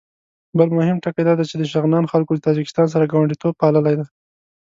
بل مهم ټکی دا چې د شغنان خلکو له تاجکستان سره ګاونډیتوب پاللی دی.